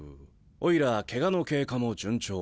おいらケガの経過も順調。